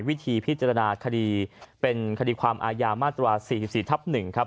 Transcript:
วิธีพิจารณาคดีเป็นคดีความอายามาตรา๔๔ทับ๑ครับ